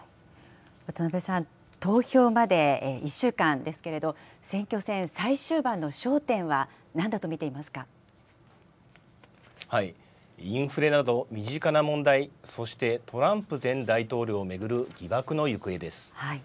渡辺さん、投票まで１週間ですけれど、選挙戦最終盤の焦点はインフレなど身近な問題、そしてトランプ前大統領を巡る疑惑の行方です。